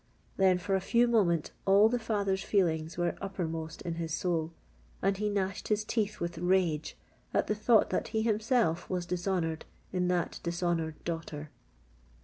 Then for a few moment all the father's feelings were uppermost in his soul; and he gnashed his teeth with rage at the thought that he himself was dishonoured in that dishonoured daughter!